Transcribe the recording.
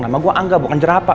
nama gue angga bukan jerapa